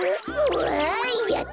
わいやった。